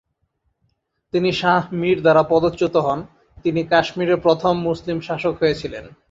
তিনি শাহ মীর দ্বারা পদচ্যুত হন, যিনি কাশ্মীরের প্রথম মুসলিম শাসক হয়েছিলেন।